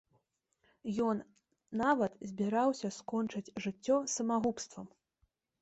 Ён нават збіраўся скончыць жыццё самагубствам.